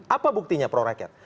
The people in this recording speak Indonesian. apa buktinya prorakyat